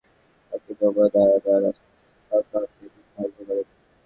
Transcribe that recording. আসামিপক্ষের সময়ের আবেদনের পরিপ্রেক্ষিতে ঢাকার মহানগর হাকিম মোহাম্মদ আনোয়ার সাদাত এদিন ধার্য করেন।